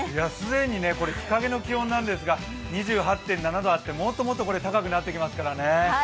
既に日陰の気温なんですが２８．７度あって、もっともっとこれ高くなっていきますからね。